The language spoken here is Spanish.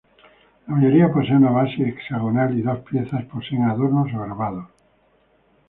La mayoría poseen una base hexagonal y dos piezas poseen adornos o grabados.